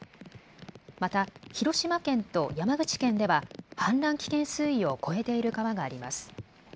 また広島県と山口県では氾濫危険水位を超えている川があります。